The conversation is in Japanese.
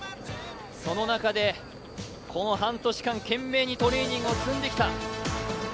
その中でこの半年間、懸命にトレーニングを積んできた。